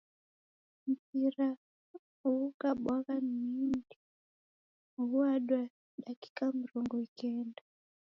Mpira ghukabwagha na mindi ghwadwa dakika mrongo ikenda.